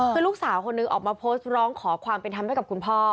คือลูกสาวคนนึงออกมาโพสต์ร้องขอความเป็นธรรมให้กับคุณพ่อ